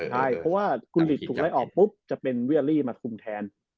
ใช่เพราะว่าคุณหลีกถูกไล่ออกปุ๊บจะเป็นเวียรี่มาคุมแทน